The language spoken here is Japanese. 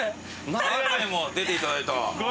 前にも出ていただいた。